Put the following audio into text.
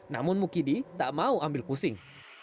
namun mukidi tak mau ambil pusing